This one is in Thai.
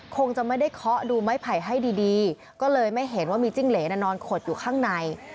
คงจะไม่ได้เคาะดูไม้ไผ่ให้ดีก็เลยไม่เห็นว่ามีจิ้งเหรนนอนขดอยู่ข้างใน